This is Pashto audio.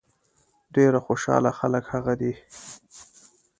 ډېر خوشاله خلک هغه دي.